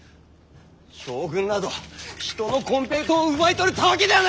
将軍など人のコンペイトウを奪い取るたわけではないか！